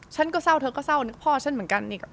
ฉันก็เศร้าเธอก็เศร้าพ่อฉันเหมือนกัน